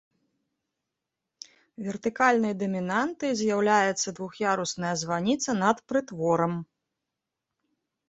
Вертыкальнай дамінантай з'яўляецца двух'ярусная званіца над прытворам.